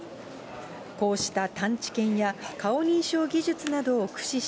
こうした探知犬や、顔認証技術などを駆使し、